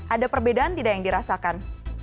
ada perbedaan tidak yang dirasakan